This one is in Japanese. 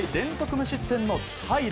無失点の平良。